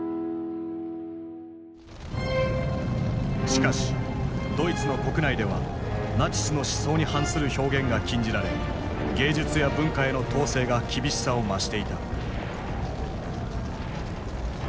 しかしドイツの国内ではナチスの思想に反する表現が禁じられ芸術や文化への統制が厳しさを増していた。